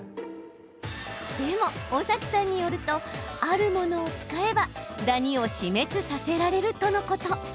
でも、尾崎さんによるとあるものを使えばダニを死滅させられるとのこと。